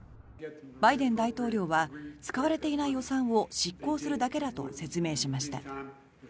バイデン大統領は使われていない予算を執行するだけだと説明しました。